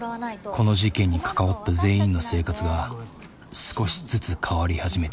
この事件に関わった全員の生活が少しずつ変わり始めていた。